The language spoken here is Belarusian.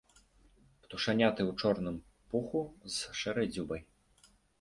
Птушаняты ў чорным пуху з шэрай дзюбай.